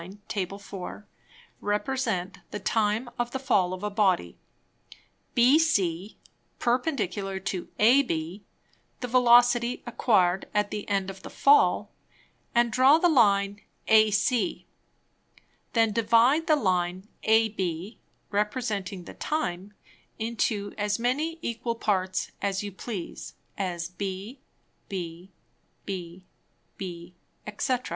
Tab. 4._) represent the Time of the Fall of a Body, BC perpendicular to AB, the Velocity acquired at the end of the Fall, and draw the Line AC; then divide the Line AB representing the Time, into as many equal Parts as you please, as b, b, b, b, _&c.